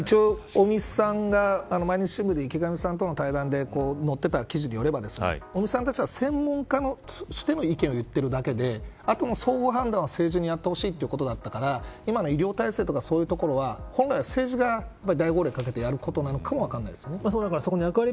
一応、尾身さんが毎日新聞の対談で載ってた記事によると尾身さんたちは専門家としての意見を言っているだけであとの総合判断は政治にやってほしいということだったから今の医療体制とかそういうことは本来、政治が大号令をかけてやることなのかも分からないですね。